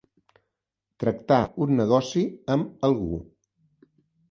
Tractar un negoci amb algú.